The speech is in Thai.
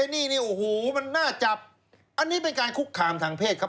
นี่นี่โอ้โหมันน่าจับอันนี้เป็นการคุกคามทางเพศครับ